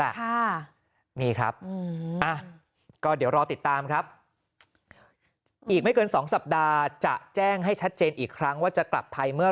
ค่ะนี่ครับอืมอ่ะก็เดี๋ยวรอติดตามครับอีกไม่เกินสองสัปดาห์จะแจ้งให้ชัดเจนอีกครั้งว่าจะกลับไทยเมื่อ